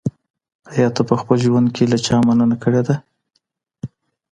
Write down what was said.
ایا ته په خپل ژوند کي له چا مننه کړې ده؟